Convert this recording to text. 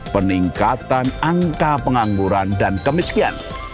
peningkatan angka pengangguran dan kemiskinan